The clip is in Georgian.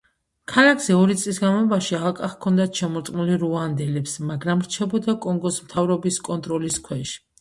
ქალაქზე ორი წლის განმავლობაში ალყა ჰქონდათ შემორტყმული რუანდელებს, მაგრამ რჩებოდა კონგოს მთავრობის კონტროლის ქვეშ.